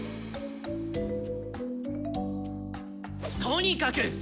とにかく！